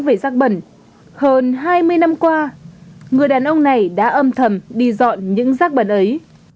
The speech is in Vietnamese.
về rác bẩn hơn hai mươi năm qua người đàn ông này đã âm thầm đi dọn những rác bẩn ấy